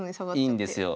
いいんですよ。